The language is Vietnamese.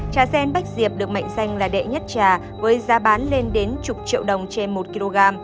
trà sen bách diệp được mệnh danh là đệ nhất trà với giá bán lên đến chục triệu đồng trên một kg